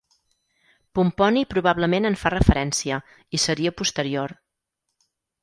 Pomponi probablement en fa referència i seria posterior.